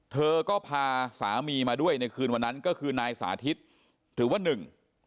เธอก็พาสามีมาด้วยในคืนวันนั้นก็คือนายสาธิตหรือว่าหนึ่ง